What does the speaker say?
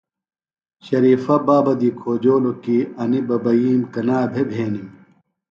شریفہ بابہ دی کھوجولوۡ کی انیۡ ببائیم کنا بھےۡ بھینِم؟